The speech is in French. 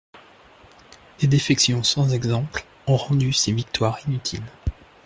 Des défections sans exemple ont rendu ces victoires inutiles.